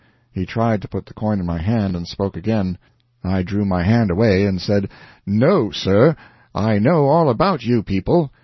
He tried to put the coin in my hand, and spoke again. I drew my hand away, and said: "NO, sir. I know all about you people.